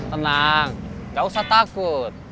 tenang gak usah takut